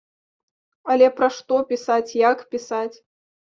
Але пра што пісаць, як пісаць?